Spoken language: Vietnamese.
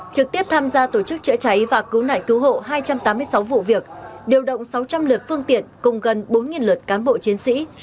trực tiếp tham gia tổ chức chữa cháy và cứu nạn cứu hộ hai trăm tám mươi sáu vụ việc điều động sáu trăm linh lượt phương tiện cùng gần bốn lượt cán bộ chiến sĩ